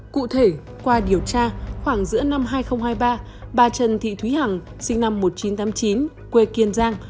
cụ thể qua điều tra khoảng giữa năm hai nghìn hai mươi ba bà trần thị thúy hằng sinh năm một nghìn chín trăm tám mươi chín quê kiên giang